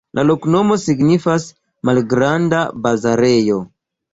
La loknomo signifas: malgranda-bazarejo.